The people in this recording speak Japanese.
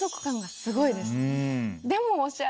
すごい。